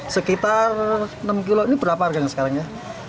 sekitar enam kilo ini berapa harganya sekarang ya